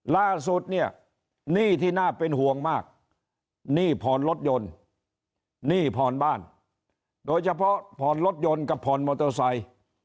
ล่าสุดเนี่ยหนี้ที่น่าเป็นห่วงมากหนี้ผ่อนรถยนต์หนี้ผ่อนบ้านโดยเฉพาะผ่อนรถยนต์กับผ่อนมอเตอร์ไซค์